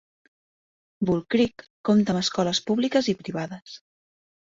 Bull Creek compta amb escoles públiques i privades.